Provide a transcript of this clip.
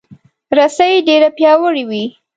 رسۍ ډیره پیاوړې وي.